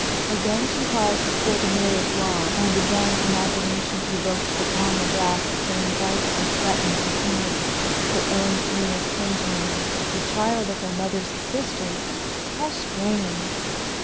Again she paused before the mirrored wall; and again imagination evoked upon the glass the same white and threatening image her own near kinswoman the child of her mother's sister! How strange!